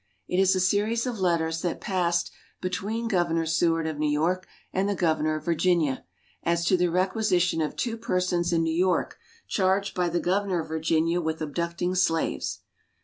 It is a series of letters that passed between Governor Seward of New York and the Governor of Virginia, as to the requisition of two persons in New York charged by the Governor of Virginia with abducting slaves.